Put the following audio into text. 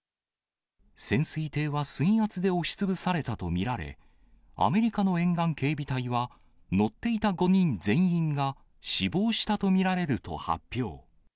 潜水艇は水圧で押しつぶされたと見られ、アメリカの沿岸警備隊は、乗っていた５人全員が死亡したと見られると発表。